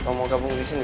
kamu mau gabung disini